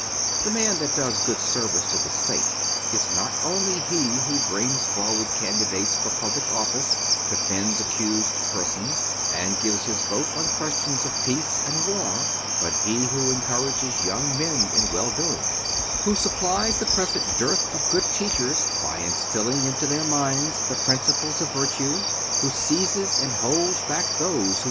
The man that does good service to the state is not only he who brings forward candidates for public office, defends accused persons, and gives his vote on questions of peace and war, but he who en courages young men in well doing, who supplies the present dearth of good teachers by instilling into their minds the principles of virtue, who seizes and holds back those who 260 MINOR DIALOGUES. [bK. IX.